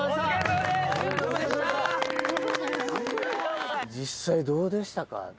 ・実際どうでしたか？